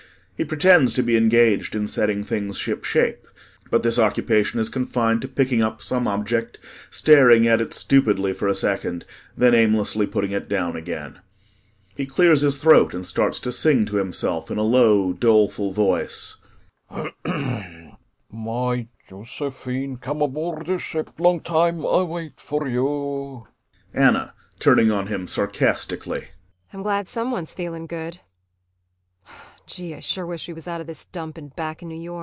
He pretends to be engaged in setting things ship shape, but this occupation is confined to picking up some object, staring at it stupidly for a second, then aimlessly putting it down again. He clears his throat and starts to sing to himself in a low, doleful voice: "My Yosephine, come aboard de ship. Long time Ay wait for you." ANNA [Turning on him, sarcastically.